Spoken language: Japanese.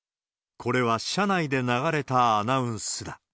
これは車内で流れたアナウンスだ。